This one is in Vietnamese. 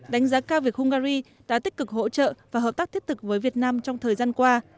đánh giá cao việc hungary đã tích cực hỗ trợ và hợp tác thiết thực với việt nam trong thời gian qua